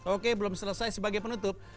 oke belum selesai sebagai penutup